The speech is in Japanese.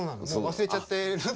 忘れちゃってる。